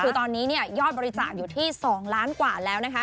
คือตอนนี้เนี่ยยอดบริจาคอยู่ที่๒ล้านกว่าแล้วนะคะ